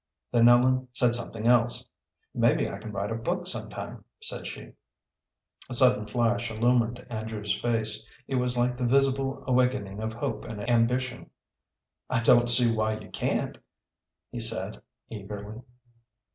Then Ellen said something else. "Maybe I can write a book some time," said she. A sudden flash illumined Andrew's face. It was like the visible awakening of hope and ambition. "I don't see why you can't," he said, eagerly.